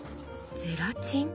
ゼラチン？